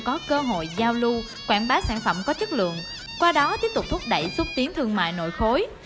có cơ hội giao lưu quảng bá sản phẩm có chất lượng qua đó tiếp tục thúc đẩy xúc tiến thương mại nội khối